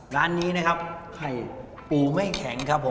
ร้านนี้ให้ปูไม่แข็งครับ